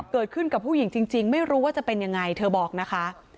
เกิดขึ้นกับผู้หญิงจริงไม่รู้ว่าจะเป็นยังไงเธอบอกนะคะ